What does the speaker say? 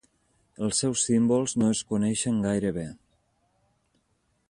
Els seus símbols no es coneixen gaire bé.